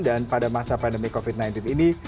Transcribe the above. dan pada masa pandemi covid sembilan belas ini